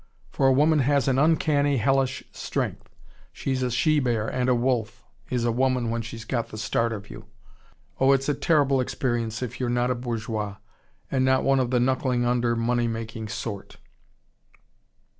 For a woman has an uncanny, hellish strength she's a she bear and a wolf, is a woman when she's got the start of you. Oh, it's a terrible experience, if you're not a bourgeois, and not one of the knuckling under money making sort."